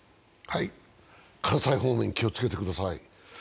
関西方面、気をつけてください。